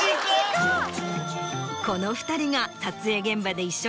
この２人。